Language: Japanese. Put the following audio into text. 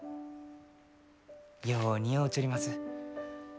よう似合うちょります。